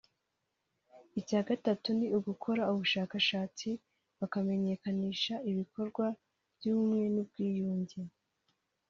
Icya gatatu ni ugukora ubushakashatsi bakanamenyekanisha ibikorwa by’Ubumwe n’Ubwiyunge